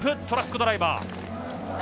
トラックドライバー。